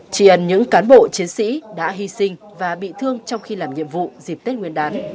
chỉ ẩn những cán bộ chiến sĩ đã hy sinh và bị thương trong khi làm nhiệm vụ dịp tết nguyên đán